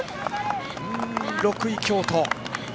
６位、京都。